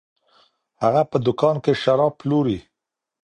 هغه په دکان کي شراب پلوري.